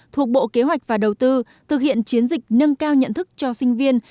thuộc bộ kế hoạch và đầu tư thực hiện chiến dịch nâng cao nhận thức cho sinh viên